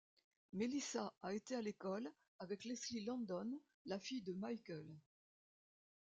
Melissa a été à l'école avec Leslie Landon, la fille de Michael.